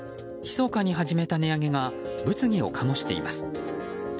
密かに始めた値上げが物議を醸しています。